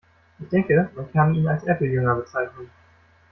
Ich denke, man kann ihn als Apple-Jünger bezeichnen.